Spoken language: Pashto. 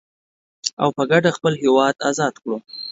او په کډه خپل هيواد ازاد کړو.